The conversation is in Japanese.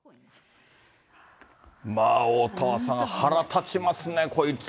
まあ、おおたわさん、腹立ちますね、こいつ。